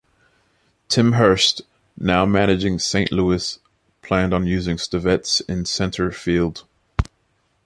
Tim Hurst, now managing Saint Louis, planned on using Stivetts in center field.